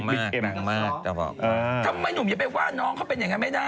ทำไมหนุ่มอย่าไปว่าน้องเขาเป็นอย่างนั้นไม่ได้